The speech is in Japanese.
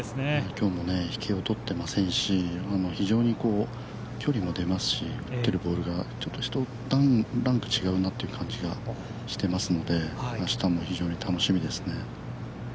今日も引けを取っていませんし、非常に距離も出ますし打ってるボールが１ランク違うなという感じがしていますので明日も非常に楽しみですね。